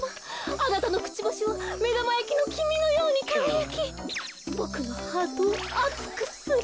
あなたのクチバシはめだまやきのきみのようにかがやきボクのハートをあつくする。